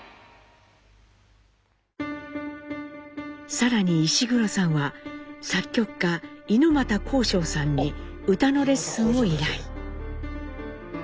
更に石黒さんは作曲家猪俣公章さんに歌のレッスンを依頼。